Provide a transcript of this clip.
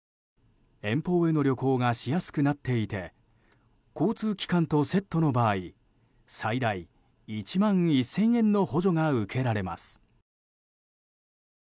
遠方への旅行がしやすくなっていて交通機関とセットの場合最大１万１０００円の補助が受けられます。